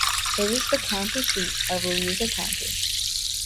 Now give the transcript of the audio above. It is the county seat of Louisa County.